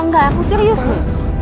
nah ikut kurti